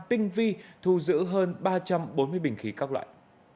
tinh vi thu giữ hơn ba trăm bốn mươi bình khí các loại